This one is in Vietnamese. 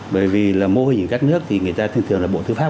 bởi vì là mô hình ở các nước thì người ta thường thường là bộ tư pháp